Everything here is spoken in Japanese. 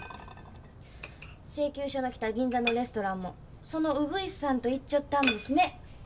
請求書の来た銀座のレストランもその鶯さんと行っちょったんですね。